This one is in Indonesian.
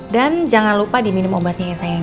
jangan lupa diminum obatnya ya sayang